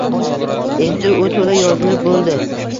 Endi u to’la yozilib bo’ldi.